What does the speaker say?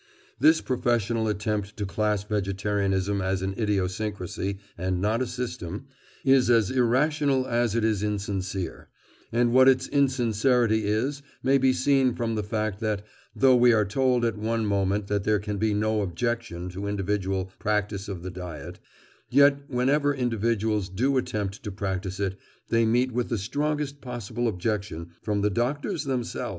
This professional attempt to class vegetarianism as an idiosyncrasy, and not a system, is as irrational as it is insincere, and what its insincerity is may be seen from the fact that, though we are told at one moment that "there can be no objection" to individual practice of the diet, yet whenever individuals do attempt to practise it, they meet with the strongest possible objection from the doctors themselves!